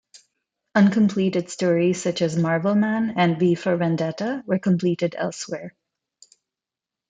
Uncompleted stories such as "Marvelman" and "V for Vendetta" were completed elsewhere.